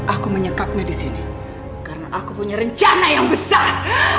aku menyekapnya di sini karena aku punya rencana yang besar